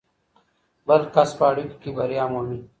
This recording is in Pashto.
بل کس په اړیکو کې بریا مومي.